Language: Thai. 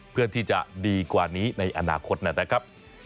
เพื่อที่จะดีกว่านี้ในอนาคตนะครับ